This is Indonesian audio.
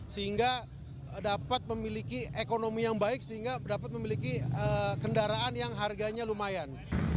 sehingga dapat memiliki ekonomi yang baik sehingga dapat memiliki kendaraan yang harganya lumayan